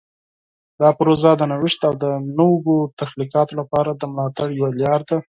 دا پروژه د نوښت او نوو تخلیقاتو لپاره د ملاتړ یوه لاره ده.